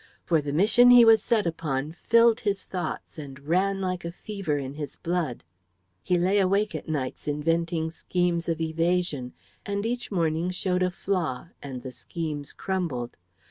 For the mission he was set upon filled his thoughts and ran like a fever in his blood. He lay awake at nights inventing schemes of evasion, and each morning showed a flaw, and the schemes crumbled.